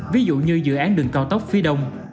ví dụ như dự án đường cao tốc phía đông